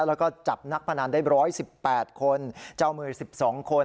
แล้วก็จับนักพนันได้ร้อยสิบแปดคนเจ้ามือสิบสองคน